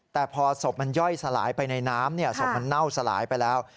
แต่พอศพมันย่อยสลายไปในน้ำศพมันเน่าสลายไปแล้ว